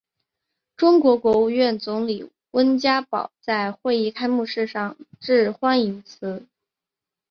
中国国务院总理温家宝在会议开幕式上致欢迎辞。